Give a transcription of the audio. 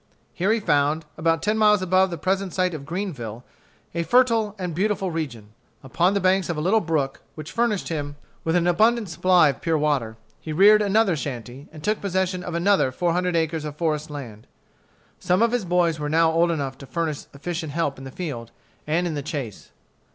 Here he found, about ten miles above the present site of Greenville, a fertile and beautiful region. Upon the banks of a little brook, which furnished him with an abundant supply of pure water, he reared another shanty, and took possession of another four hundred acres of forest land. Some of his boys were now old enough to furnish efficient help in the field and in the chase.